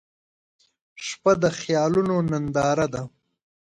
• شپه د خیالونو ننداره ده.